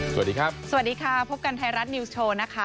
สวัสดีครับสวัสดีค่ะพบกันไทยรัฐนิวส์โชว์นะคะ